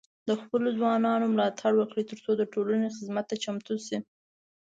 د خپلو ځوانانو ملاتړ وکړئ، ترڅو د ټولنې خدمت ته چمتو شي.